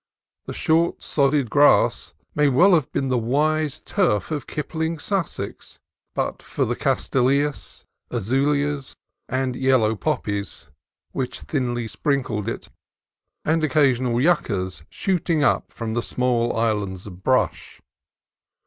The short sodded grass might well have been the "wise turf" of Kip ling's "Sussex," but for the castilleias, azuleas, and yellow poppies which thinly sprinkled it, and occa sional yuccas shooting up from the small islands of brush.